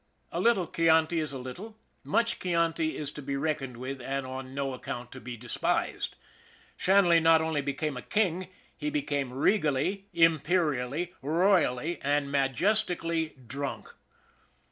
A little Chianti is a little; much Chianti is to be reckoned with and on no account to be despised. Shan ley not only became a king, he became regally, im perially, royally, and majestically drunk.